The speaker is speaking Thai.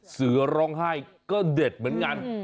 เสือร้องไห้ก็เด็ดเหมือนกัน